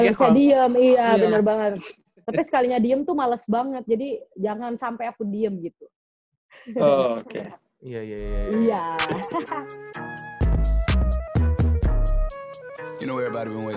gak bisa diem iya bener banget